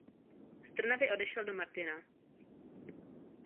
Z Trnavy odešel do Martina.